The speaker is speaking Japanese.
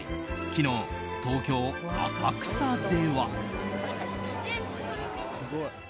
昨日、東京・浅草では。